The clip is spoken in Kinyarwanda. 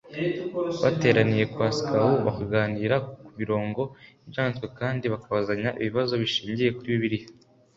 bateraniye kwa Skau bakaganira ku mirongo y Ibyanditswe kandi bakabazanya ibibazo bishingiye kuri Bibiliya